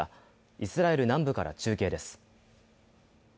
イスラエル南部から中継です。